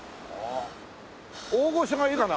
大御所がいるかな？